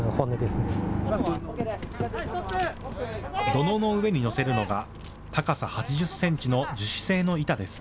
土のうの上に載せるのが高さ８０センチの樹脂製の板です。